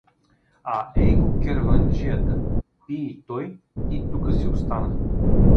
А ей го керванджията, пи и той, и тука си остана.